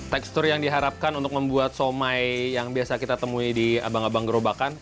tekstur yang diharapkan untuk membuat somai yang biasa kita temui di abang abang gerobakan